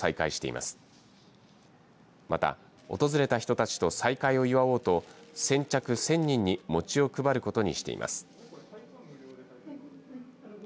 また、訪れた人たちと再会を祝おうと先着１０００人に餅を配ることにしています。